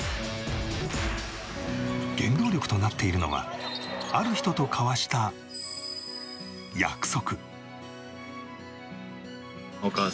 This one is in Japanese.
原動力となっているのはある人と交わした約束。